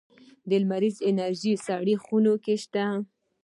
د لمریزې انرژۍ سړې خونې شته؟